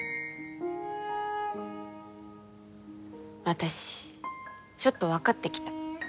私ちょっと分かってきた。